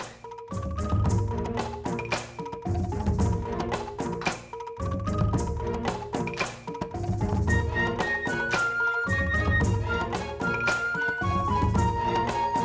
aku mau ke rumah